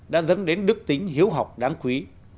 đã dẫn đến đức tính hiếu học đáng quý